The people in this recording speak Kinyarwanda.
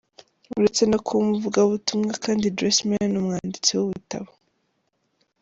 Uretse no kuba umuvugabutumwa kandi Joyce Meyer ni n’umwanditsi w’ibitabo.